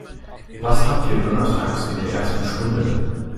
Was habt ihr donnerstags in der ersten Stunde?